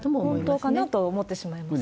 本当かなとは思ってしまいますよね。